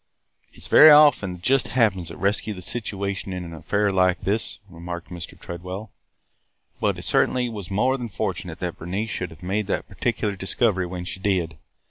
"It 's very often the 'just happeneds' that rescue the situation in an affair like this," remarked Mr. Tredwell. "But it certainly was more than fortunate that Bernice should have made that particular discovery when she did.